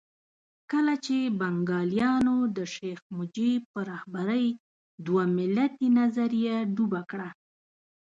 کله چې بنګالیانو د شیخ مجیب په رهبرۍ دوه ملتي نظریه ډوبه کړه.